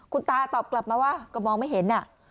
คุณตาตอบกลับมาว่าก็มองไม่เห็น